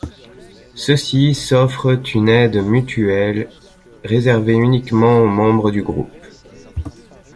Ceux-ci s’offrent une aide mutuelle réservée uniquement aux membres du groupe.